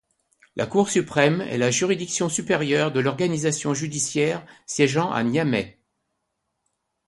La Cour suprême est la juridiction supérieure de l’organisation judiciaire siégeant à Niamey.